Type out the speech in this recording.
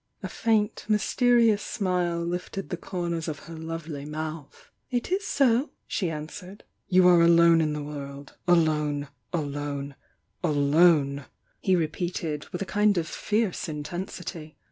A faint, mysterious smile lifted the comers of h^ lovely mouth. "It is so!" she answered. "You are alone in the world, — alone, alone, alone!" he repeated with a kind of fierce intensity.